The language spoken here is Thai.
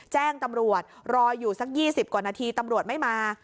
แจ้งตำรวจรออยู่สัก๒๐กว่านาทีตำรวจไม่มา